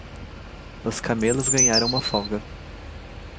Os camelos ganharam uma folga.